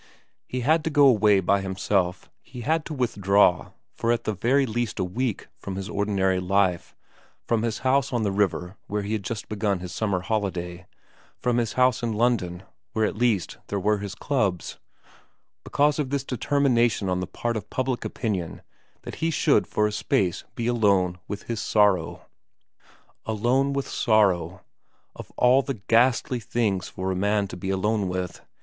He had to go away by himself, he had to withdraw for at the very least a week from his ordinary life, from his house on the river where he had just begun his summer holiday, from his house in London where at least there were his clubs, because of this determination on the part of public opinion that he should for a space be alone with his sorrow. Alone with sorrow, of all ghastly things for a man to be alone with